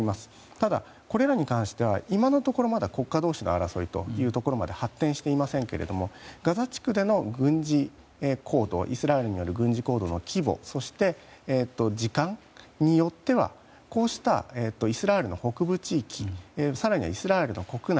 ただ、これらに関しては今のところ国家同士の争いまで発展していませんがガザ地区でのイスラエルによる軍事行動の規模そして時間によってはこうしたイスラエルの北部地域更にはイスラエルの国内